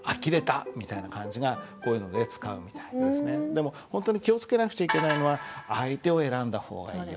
でも本当に気を付けなくちゃいけないのは相手を選んだ方がいいよ。